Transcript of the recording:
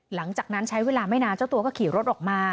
หลังจากนั้นใช้เวลาไม่นานเจ้าตัวก็ขี่รถออกมา